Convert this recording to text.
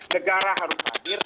negara harus hadir